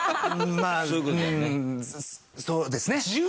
まあうんそうですね。